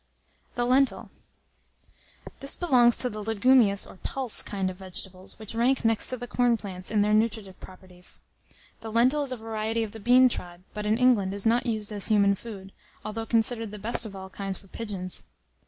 ] THE LENTIL. This belongs to the legumious or pulse kind of vegetables, which rank next to the corn plants in their nutritive properties. The lentil is a variety of the bean tribe, but in England is not used as human food, although considered the best of all kinds for pigeons.